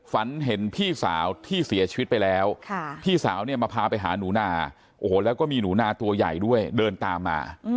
ฝันเห็นพี่สาวที่เสียชีวิตไปแล้วพี่สาวเนี่ยมาพาไปหาหนูนาโอ้โหแล้วก็มีหนูนาตัวใหญ่ด้วยเดินตามมา